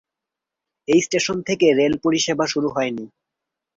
এই স্টেশন থেকে রেল পরিষেবা শুরু হয়নি।